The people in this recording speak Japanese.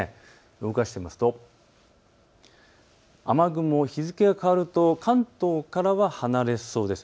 動かしますと雨雲、日付が変わると関東からは離れそうです。